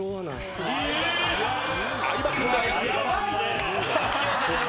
相葉君です。